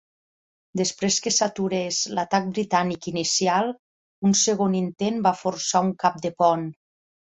Després que s'aturés l'atac britànic inicial, un segon intent va forçar un cap de pont.